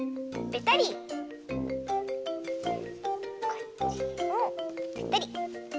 こっちもぺたり。